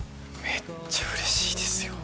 めっちゃ嬉しいですよ